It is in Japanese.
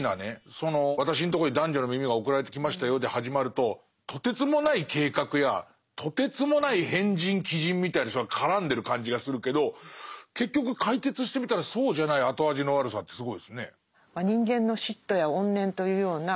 その私のとこに男女の耳が送られてきましたよで始まるととてつもない計画やとてつもない変人奇人みたいな人が絡んでる感じがするけど結局解決してみたらそうじゃない後味の悪さってすごいですね。